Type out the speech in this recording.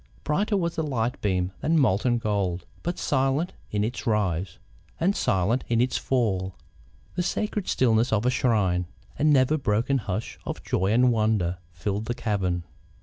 Brighter was the light beam than molten gold, but silent in its rise, and silent in its fall. The sacred stillness of a shrine, a never broken hush of joy and wonder, filled the cavern.